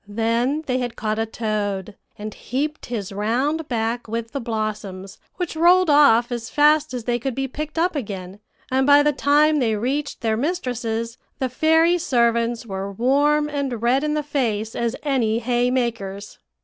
Then they had caught a toad, and heaped his round back with the blossoms, which rolled off as fast as they could be picked up again; and by the time they reached their mistresses, the fairy servants were warm and red in the face as any hay makers.